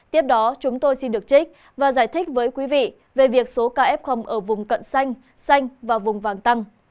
tiếp đó chúng tôi xin được trích và giải thích với quý vị về việc số kf ở vùng cận xanh xanh và vùng vàng tăng